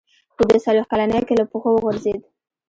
په دوه څلوېښت کلنۍ کې له پښو وغورځېد.